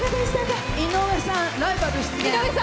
井上さん、ライバル出現。